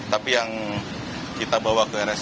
tapi yang kita bawa ke rsud ada dua belas kantong